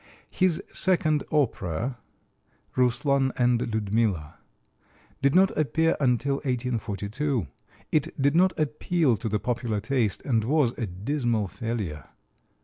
His second opera, "Ruslan and Ludmilla," did not appear until 1842. It did not appeal to the popular taste and was a dismal failure.